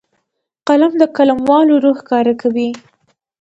قلم د قلموالو روح ښکاره کوي